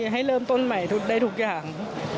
ให้เริ่มต้นใหม่ได้ทุกอย่าง